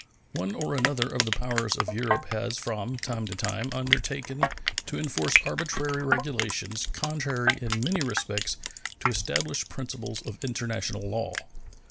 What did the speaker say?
One or another of the powers of Europe has from time to time undertaken to enforce arbitrary regulations contrary in many respects to established principles of international law.